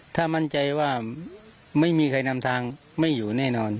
ถ้ามั่นใจว่าไม่มีใครนำทางไม่อยู่แน่นอน